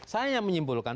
saya yang menyimpulkan